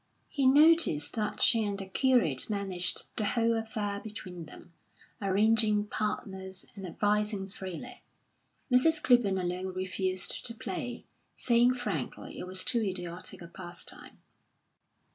He noticed that she and the curate managed the whole affair between them, arranging partners and advising freely. Mrs. Clibborn alone refused to play, saying frankly it was too idiotic a pastime.